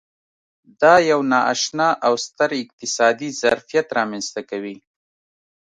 دا یو نا اشنا او ستر اقتصادي ظرفیت رامنځته کوي.